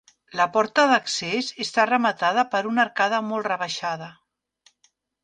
La porta d'accés està rematada per una arcada molt rebaixada.